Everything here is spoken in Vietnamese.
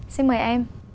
xin mời em